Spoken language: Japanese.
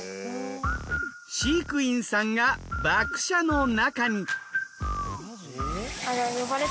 飼育員さんがバク舎の中に。